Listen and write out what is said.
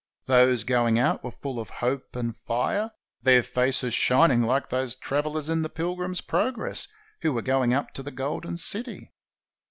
Those going out were full of hope and fire, their faces shining Hke those travelers in the "Pil grim's Progress" who were going up to the Golden City.